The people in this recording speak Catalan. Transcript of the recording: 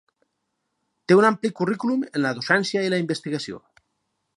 Té un ampli currículum en la docència i la investigació.